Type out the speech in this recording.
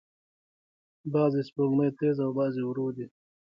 بعضې سپوږمۍ تیز او بعضې ورو دي.